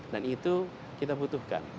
dan itu kita butuhkan